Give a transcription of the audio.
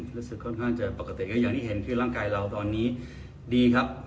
รู้สึกค่อนข้างจะปกติก็อย่างที่เห็นคือร่างกายเราตอนนี้ดีครับ